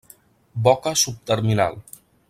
Boca subterminal.